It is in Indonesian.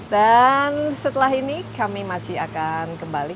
dan setelah ini kami masih akan kembali